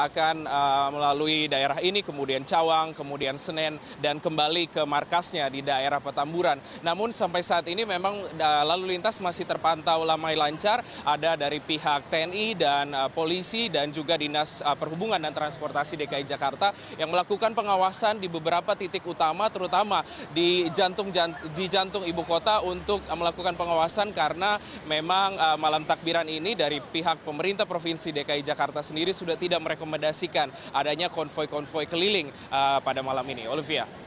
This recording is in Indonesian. kita sudah kembali ke markasnya di daerah petamburan namun sampai saat ini memang lalu lintas masih terpantau lamai lancar ada dari pihak tni dan polisi dan juga dinas perhubungan dan transportasi dki jakarta yang melakukan pengawasan di beberapa titik utama terutama di jantung ibu kota untuk melakukan pengawasan karena memang malam takbiran ini dari pihak pemerintah provinsi dki jakarta sendiri sudah tidak merekomendasikan adanya konvoy konvoy keliling pada malam ini olivia